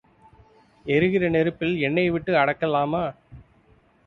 எரிகிற நெருப்பில் எண்ணெய் விட்டு அடக்கலாமா?